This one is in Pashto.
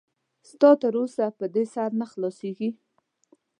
ستا تر اوسه په دې سر نه خلاصېږي.